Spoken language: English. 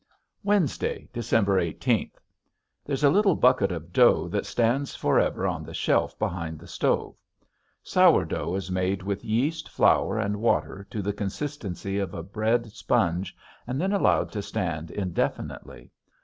Wednesday, December eighteenth. There's a little bucket of dough that stands forever on the shelf behind the stove. Sour dough is made with yeast, flour, and water to the consistency of a bread sponge and then allowed to stand indefinitely.